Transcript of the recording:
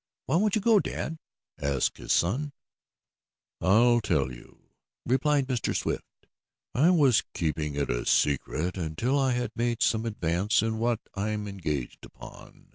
"Why won't you go, dad?" asked his son. "I'll tell you," replied Mr. Swift. "I was keeping it a secret until I had made some advance in what I am engaged upon.